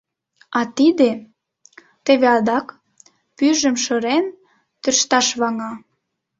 А тиде... теве адак, пӱйжым шырен, тӧршташ ваҥа.